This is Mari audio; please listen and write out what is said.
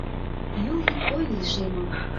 Йол йӱк койын лишеме.